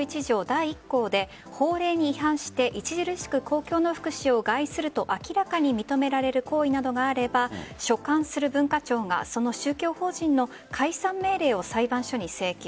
第１項で法令に違反して著しく公共の福祉を害すると明らかに認められる行為などがあれば所管する文化庁がその宗教法人の解散命令を裁判所に請求。